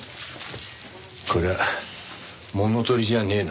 これは物取りじゃねえな。